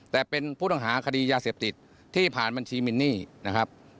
แต่เป็นผู้ต้องหาคดียาเสพติดที่ผ่านบัญชีมินนี่นะครับ